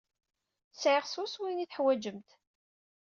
Sɛiɣ swaswa ayen ay teḥwajemt.